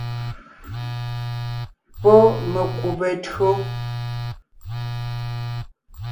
Pɔ́ mekùbe tÿǒ.